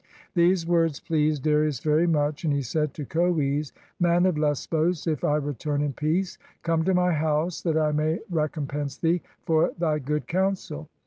These words pleased Darius very much; and he said to Goes, ''Man of Lesbos, if I return in peace, come to my house, that I may rec ompense thee for thy good counsel."